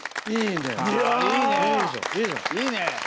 いいね！